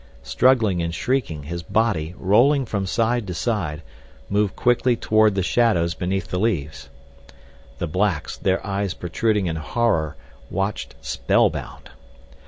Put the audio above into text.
Struggling and shrieking, his body, rolling from side to side, moved quickly toward the shadows beneath the trees. The blacks, their eyes protruding in horror, watched spellbound.